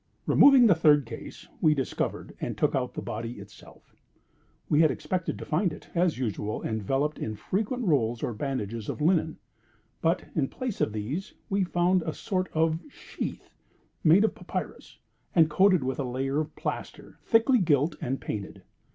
Removing the third case, we discovered and took out the body itself. We had expected to find it, as usual, enveloped in frequent rolls, or bandages, of linen; but, in place of these, we found a sort of sheath, made of papyrus, and coated with a layer of plaster, thickly gilt and painted.